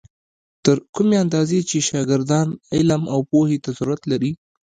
تر کومې اندازې چې شاګردان علم او پوهې ته ضرورت لري.